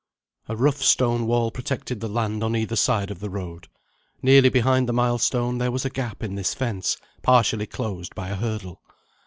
A rough stone wall protected the land on either side of the road. Nearly behind the milestone there was a gap in this fence, partially closed by a hurdle.